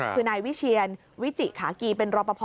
คือนายวิเชียนวิจิขากีเป็นรอปภ